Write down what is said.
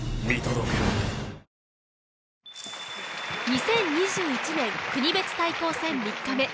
２０２１年国別対抗戦３日目。